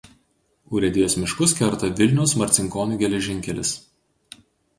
Urėdijos miškus kerta Vilniaus–Marcinkonių geležinkelis.